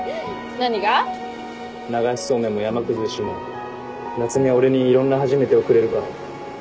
流しそうめんも山崩しも夏海は俺にいろんな初めてをくれるから。